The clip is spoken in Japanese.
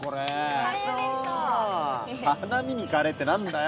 花見にカレーって何だよ